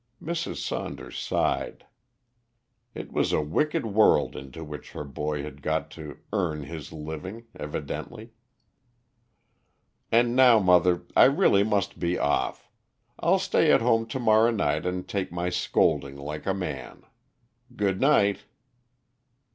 Mrs. Saunders sighed. It was a wicked world into which her boy had to go to earn his living, evidently. "And now, mother, I really must be off. I'll stay at home to morrow night and take my scolding like a man. Good night."